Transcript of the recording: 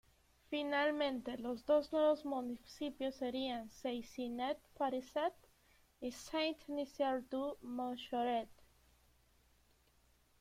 Finalmente, los dos nuevos municipios serían Seyssinet-Pariset y Saint-Nizier-du-Moucherotte.